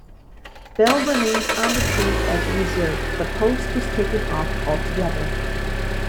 Bell remained on the team as a reserve, but Post was taken off altogether.